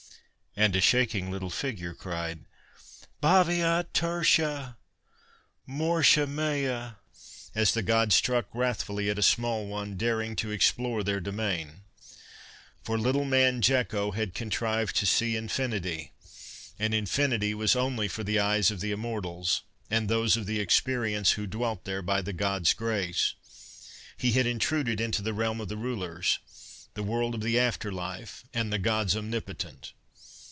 And a shaking little figure cried: "Baviat tertia!... Mortia mea...." as the Gods struck wrathfully at a small one daring to explore their domain. For little man Jeko had contrived to see Infinity and Infinity was only for the eyes of the Immortals, and those of the Experience who dwelt there by the Gods' grace. He had intruded into the realm of the rulers, the world of the After Life and the Gods Omnipotent!